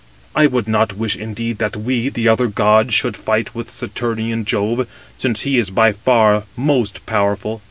I would not wish, indeed, that we, the other gods, should fight with Saturnian Jove, since he is by far most powerful."